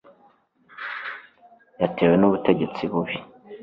yatewe n'ubutegetsi bubi